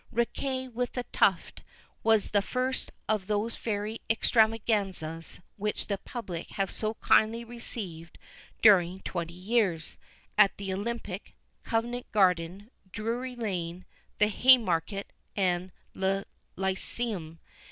Riquet with the Tuft was the first of those fairy extravaganzas which the public have so kindly received during twenty years, at the Olympic, Covent Garden, Drury Lane, the Haymarket, and the Lyceum.